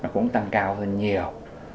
cũng tăng cao hơn nhiều